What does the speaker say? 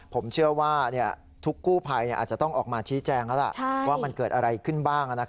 ผมเชื่อว่าทุกกู้ภัยอาจจะต้องออกมาชี้แจงแล้วล่ะว่ามันเกิดอะไรขึ้นบ้าง